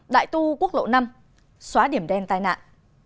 đại tu quốc lộ năm xóa điểm đen tai nạn